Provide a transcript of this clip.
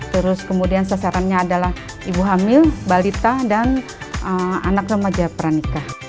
terus kemudian sasarannya adalah ibu hamil balita dan anak remaja peranikah